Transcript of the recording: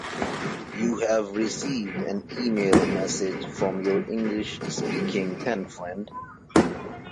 You have received an email message from your English-speaking pen-friend.